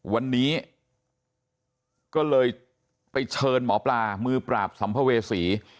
วันนี้ก็เลยไปเชิญหมอปลามือปราบสัมภเวษี